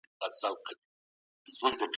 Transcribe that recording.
ایا تکړه خرڅوونکي بادام خرڅوي؟